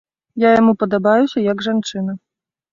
Я яму падабаюся як жанчына.